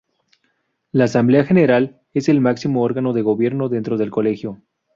La "Asamblea General" es el máximo órgano de gobierno dentro del Colegio.